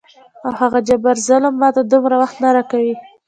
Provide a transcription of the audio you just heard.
او هغه جبار ظلم ماته دومره وخت نه راکوي.